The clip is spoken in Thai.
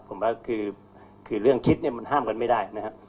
ผมว่าคือเรื่องคิดมันห้ามกันไม่ได้นะครับ